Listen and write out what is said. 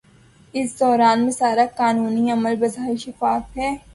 اس دوران میں سارا قانونی عمل بظاہر شفاف ہے۔